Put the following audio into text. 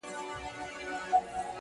نور کارونه هم لرم درڅخه ولاړم!!